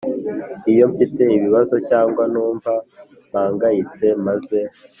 Iyo mfite ibibazo cyangwa numva mpangayitse maze